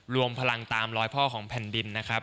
รวมพลังตามรอยพ่อของแผ่นดินนะครับ